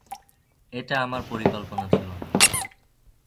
এটা আমার পরিকল্পনা ছিল না।